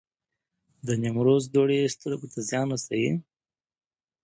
د نیمروز دوړې سترګو ته زیان رسوي؟